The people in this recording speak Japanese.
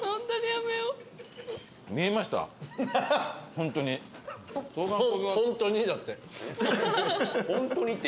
「本当に？」だって。